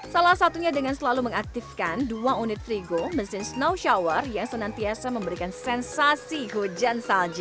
salah satunya dengan selalu mengaktifkan dua unit trigo mesin snow shower yang senantiasa memberikan sensasi hujan salju